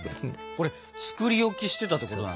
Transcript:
これつくり置きしてたってことなんですかね？